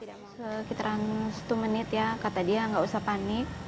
sekitar satu menit ya kata dia gak usah panik